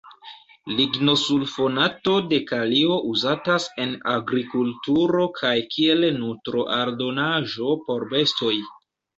Ligno-sulfonato de kalio uzatas en agrikulturo kaj kiel nutro-aldonaĵo por bestoj.